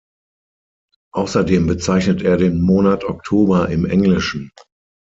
Außerdem bezeichnet er den Monat Oktober im englischen.